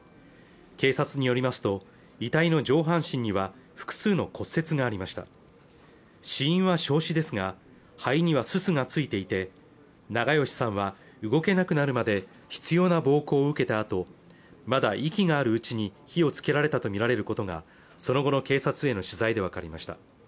警察によりますと遺体の上半身には複数の骨折がありました死因は焼死ですが肺にはすすがついていて長葭さんは動けなくなるまで執ような暴行を受けたあとまだ息があるうちに火をつけられたと見られることがその後の警察への取材で分かりました